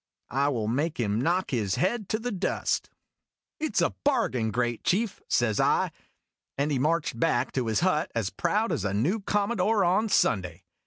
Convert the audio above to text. I will make him knock his head to the dust !" 224 IMAGINOTIONS "It 's a bargain, great Chief!" says I, and he marched back to his hut as proud as a new commodore on Sunday.